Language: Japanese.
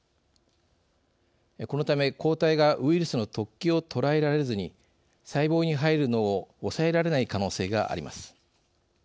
このため、抗体がウイルスの突起を捉えられずに細胞に入るのを抑えられない可能性があります。